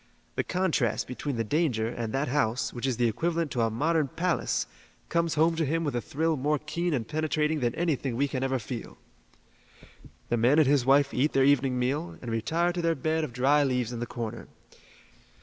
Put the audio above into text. The contrast between the danger and that house, which is the equivalent to a modern palace, comes home to him with a thrill more keen and penetrating than anything we can ever feel. "The man and his wife eat their evening meal, and retire to their bed of dry leaves in the corner.